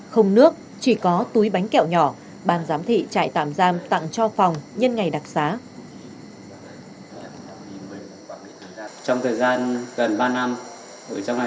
không nước chỉ có túi bánh kẹo nhỏ ban giám thị trại tạm giam tặng cho phòng nhân ngày đặc xá